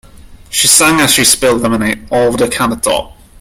She sang as she spilled lemonade all over the countertop.